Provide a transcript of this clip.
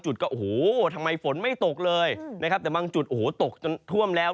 จุดก็โอ้โหทำไมฝนไม่ตกเลยนะครับแต่บางจุดโอ้โหตกจนท่วมแล้ว